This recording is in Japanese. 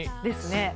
ですね。